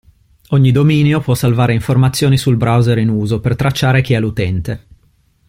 Ogni dominio può salvare informazioni sul browser in uso per tracciare chi è l'utente.